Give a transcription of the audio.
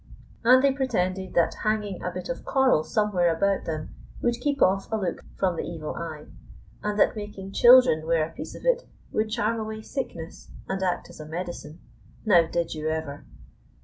And they pretended that hanging a bit of coral somewhere about them would keep off a look from "the evil eye," and that making children wear a piece of it would charm away sickness and act as a medicine. Now did you ever!